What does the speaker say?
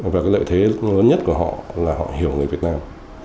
và cái lợi thế lớn nhất của họ là họ hiểu người việt nam